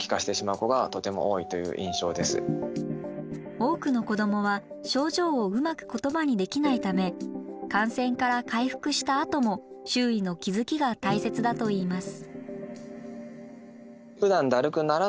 多くの子どもは症状をうまく言葉にできないため感染から回復したあとも周囲の気づきが大切だといいます。